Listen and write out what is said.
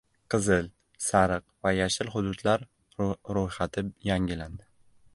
«Qizil», «sariq» va «yashil» hududlar ro‘yxati yangilandi